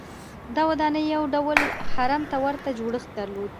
دا ودانۍ یو ډول هرم ته ورته جوړښت درلود.